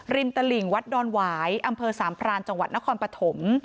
ตลิ่งวัดดอนหวายอำเภอสามพรานจังหวัดนครปฐม